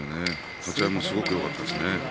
立ち合いはすごくよかったですね。